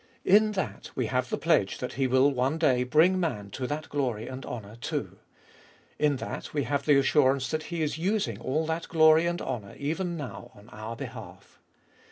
In that we have the pledge that He will one day bring man to that glory and honour too. In that we have the assurance that He is using all that glory and honour even now on our behalt.